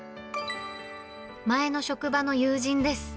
前の職場の友人です。